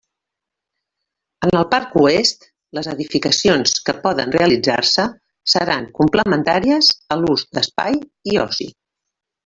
En el parc oest, les edificacions que poden realitzar-se seran complementàries a l'ús d'esplai i oci.